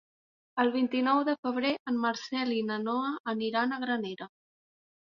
El vint-i-nou de febrer en Marcel i na Noa aniran a Granera.